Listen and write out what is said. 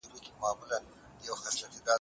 د پخوانيو ښارونو بازارونه څه ډول وو؟